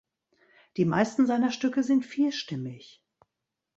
Die meisten seiner Stücke sind vierstimmig.